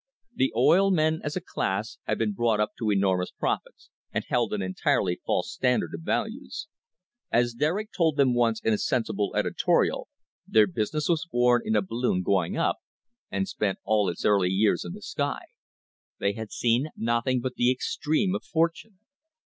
The oil men as a class had been brought up to enormous profits, and held an entirely false standard of values. As the Derrick told them once in a sensible editorial, "their busi ness was born in a balloon going up, and spent all its early years in the sky." They had seen nothing but the extreme of fortune.